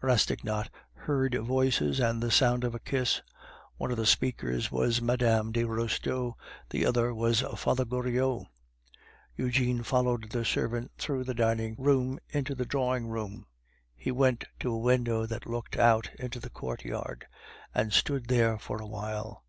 Rastignac heard voices and the sound of a kiss; one of the speakers was Mme. de Restaud, the other was Father Goriot. Eugene followed the servant through the dining room into the drawing room; he went to a window that looked out into the courtyard, and stood there for a while.